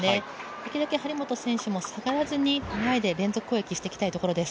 できるだけ張本選手も下がらずに前で連続攻撃していきたいところです。